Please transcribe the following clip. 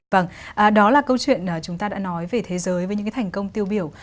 vâng đó là câu chuyện chúng ta đã nói về thế giới với những cái thành công tiêu biểu